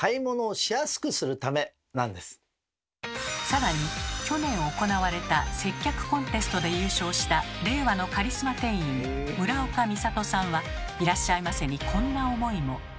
つまりさらに去年行われた接客コンテストで優勝した令和のカリスマ店員村岡美里さんは「いらっしゃいませ」にこんな思いも。